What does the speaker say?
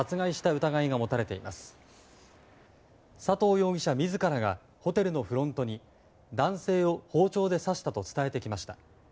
容疑者自らがホテルのフロントに男性を包丁で刺したと伝えてきました。